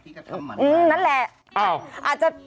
ทำหมันค่ะอ้าวนั้นแหละ